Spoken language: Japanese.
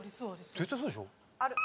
絶対そうでしょ？